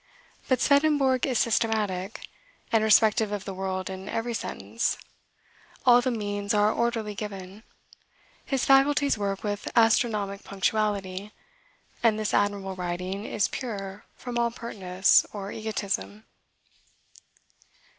But Swedenborg is systematic, and respective of the world in every sentence; all the means are orderly given; his faculties work with astronomic punctuality, and this admirable writing is pure from all pertness or egotism.